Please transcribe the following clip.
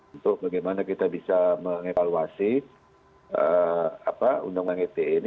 untuk bagaimana kita bisa mengevaluasi undang undang ite ini